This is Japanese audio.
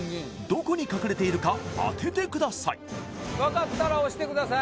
どこに隠れているか当ててくださいあっ